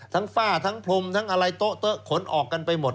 ทั้งฝ้าทั้งพลมทั้งอะไรโต๊ะขนออกกันไปหมด